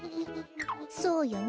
そうよね。